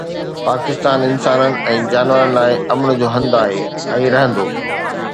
پاڪستان انسانن ۽ جانورن لاءِ امن جو هنڌ آهي ۽ رهندو